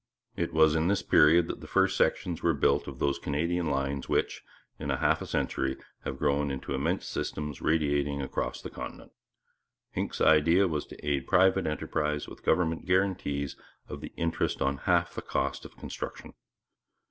It was in this period that the first sections were built of those Canadian lines which, in half a century, have grown into immense systems radiating across the continent. Hincks's idea was to aid private enterprise by government guarantees of the interest on half the cost of construction.